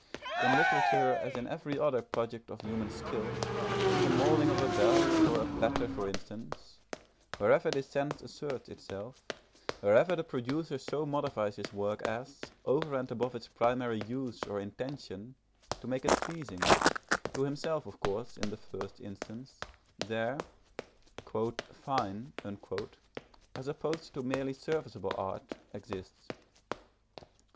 In literature, as in every other product of human skill, in the moulding of a bell or a platter for instance, wherever this sense asserts itself, wherever the producer so modifies his work as, over and above its primary use or intention, to make it pleasing (to himself, of course, in the first instance) there, "fine" as opposed to merely serviceable art, exists.